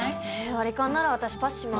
割り勘なら私パスします。